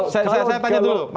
saya tanya dulu